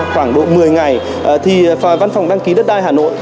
khoảng độ một mươi ngày thì văn phòng đăng ký đất đai hà nội